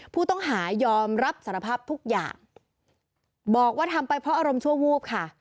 ผู้ต้องหายอมรับสารภาพทุกอย่างบอกว่าทำไปเพราะอารมณ์ชั่ววูบค่ะ